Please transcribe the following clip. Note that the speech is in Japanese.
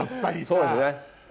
そうですね。